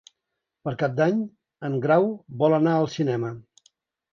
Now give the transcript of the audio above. Per Cap d'Any en Grau vol anar al cinema.